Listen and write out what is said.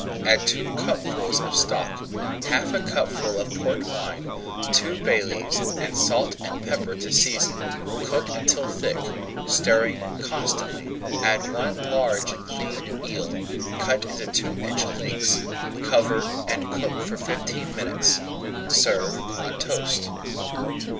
Add two cupfuls of stock, half a cupful of Port wine, two bay leaves, and salt and pepper to season. Cook until thick, stirring constantly. Add one large cleaned eel, cut into two inch lengths, cover, and cook for fifteen minutes. Serve on toast.